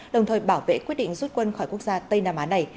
đồng thời bảo vệ quyết định rút quân khỏi quốc gia tây nam á này